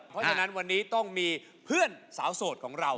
เพราะฉะนั้นวันนี้ต้องมีเพื่อนสาวโสดของเรา